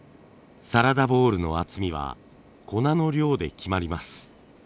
サラダボウルの厚みは粉の量で決まります。